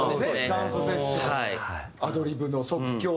ダンスセッションアドリブの即興での。